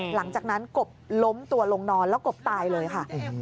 หลังจากนั้นกบล้มตัวลงนอนแล้วกบตายเลยค่ะ